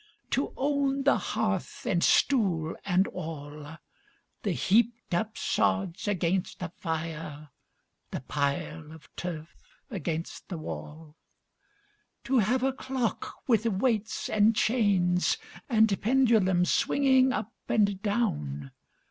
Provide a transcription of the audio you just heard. To own the hearth and stool and all! The heaped up sods upon the fire, The pile of turf against the wall! To have a clock with weights and chains And pendulum swinging up and down!